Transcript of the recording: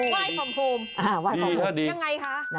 ว่ายฟอร์มโฮมยังไงคะดีค่ะดีค่ะ